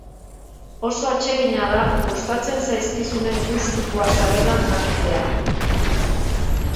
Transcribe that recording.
Oso atsegina da gustatzen zaizkizunen gustukoa zarela jakitea.